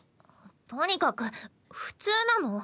とにかく普通なの。